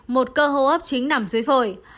một cơ hô hấp chính nằm dưới phổi